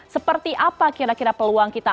seperti apa kira kira peluang kita